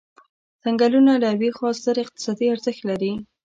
څنګلونه له یوې خوا ستر اقتصادي ارزښت لري.